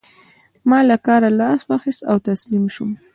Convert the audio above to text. ما له کاره لاس واخيست او تسليم شوم.